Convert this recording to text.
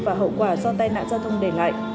và hậu quả do tai nạn giao thông để lại